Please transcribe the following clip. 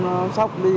nó sốc đi